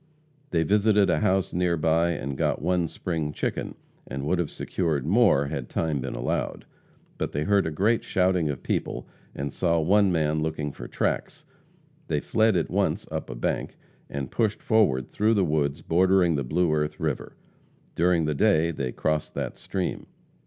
They visited a house near by and got one spring chicken, and would have secured more had time been allowed. But they heard a great shouting of people, and saw one man looking for tracks. They fled at once up a bank, and pushed forward through the woods bordering the Blue Earth river. During the day they crossed that stream.